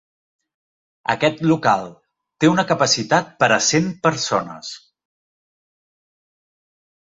Aquest local té una capacitat per a cent persones.